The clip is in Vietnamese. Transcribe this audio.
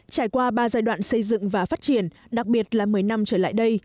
trải qua ba giai đoạn xây dựng và phát triển đặc biệt là một mươi năm trở lại đây